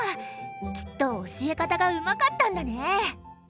きっと教え方がうまかったんだね。